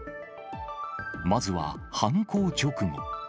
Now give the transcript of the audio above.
まずは犯行直後。